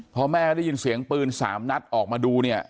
พอแม่ได้ยินเสียงปืน๓นัดออกมาดูเนี่ย